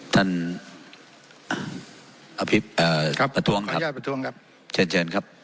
ท่านอาภิปตร์เอ่อประตุ้งครับขออนุญาตประตุ้งครับเชิญเชิญครับ